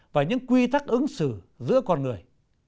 và những quy tắc ứng xử giữa con người